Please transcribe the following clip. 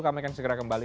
kami akan segera kembali